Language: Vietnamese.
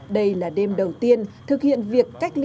đây là đêm đầu tiên thực hiện việc cách ly